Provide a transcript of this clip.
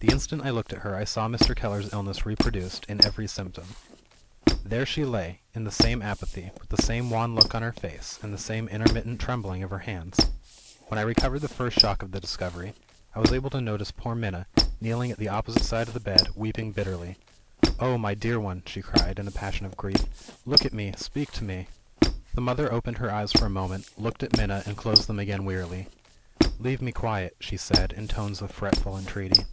The instant I looked at her, I saw Mr. Keller's illness reproduced, in every symptom. There she lay, in the same apathy; with the same wan look on her face, and the same intermittent trembling of her hands. When I recovered the first shock of the discovery, I was able to notice poor Minna, kneeling at the opposite side of the bed, weeping bitterly. "Oh, my dear one!" she cried, in a passion of grief, "look at me! speak to me!" The mother opened her eyes for a moment looked at Minna and closed them again wearily. "Leave me quiet," she said, in tones of fretful entreaty.